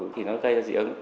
thì nó gây ra diễn ứng